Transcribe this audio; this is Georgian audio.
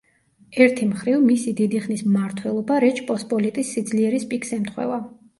ერთი მხრივ, მისი დიდი ხნის მმართველობა რეჩ პოსპოლიტის სიძლიერის პიკს ემთხვევა.